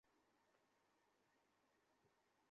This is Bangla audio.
সরকারকে বলতে চাই, সাপ নিয়ে খেলবেন না, এতে নিজেই দংশিত হবেন।